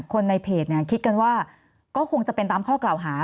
คนในเพจคิดกันว่าก็คงจะเป็นตามข้อกล่าวหา